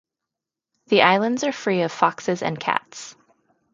The islands are free of foxes and cats.